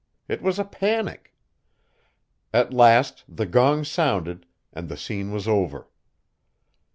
It was a panic. At last the gong sounded, and the scene was over.